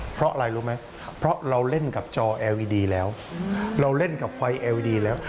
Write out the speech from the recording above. เพราะอะไรรู้ไหมเพราะเราเล่นกับจอเอลอีดีแล้วเราเล่นกับไฟเอลดีแล้ว